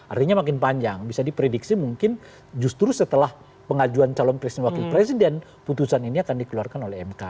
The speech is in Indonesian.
artinya makin panjang bisa diprediksi mungkin justru setelah pengajuan calon presiden wakil presiden putusan ini akan dikeluarkan oleh mk